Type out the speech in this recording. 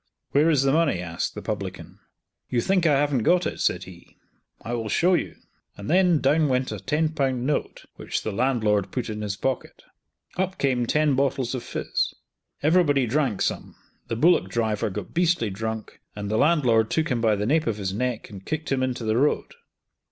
"Where is the money?" asked the publican. "You think I haven't got it," said he. "I will show you." And then down went a Ł10 note, which the landlord put in his pocket. Up came ten bottles of fiz. Everybody drank some; the bullock driver got beastly drunk, and the landlord took him by the nape of his neck and kicked him into the road.